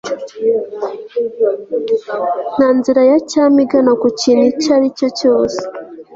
nta nzira ya cyami igana ku kintu icyo ari cyo cyose